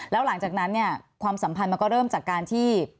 แล้วหลังจากนั้นเนี่ยความสัมพันธ์มันก็เริ่มจากการที่